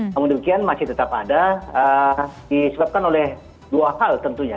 namun demikian masih tetap ada disebabkan oleh dua hal tentunya